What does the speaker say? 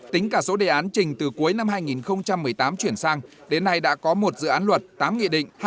tính cả số đề án trình từ cuối năm hai nghìn một mươi tám chuyển sang đến nay đã có một dự án luật tám nghị định